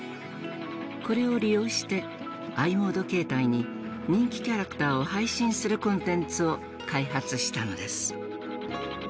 これを利用してｉモード携帯に人気キャラクターを配信するコンテンツを開発したのです。